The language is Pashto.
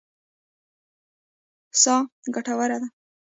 سا ګټوره ده.